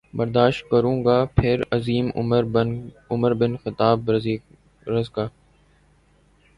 برداشت کروں گا پھر عظیم عمر بن الخطاب رض کا